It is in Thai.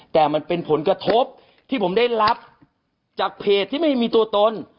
แต่มันเป็นผลกระทบที่ผมได้รับจากเพจที่ไม่มีตัวตน